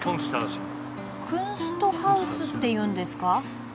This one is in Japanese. クンストハウスっていうんですか。